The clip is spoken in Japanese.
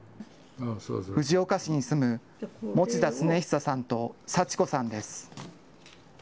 藤岡市に住む持田亘久さんと祥子さんです。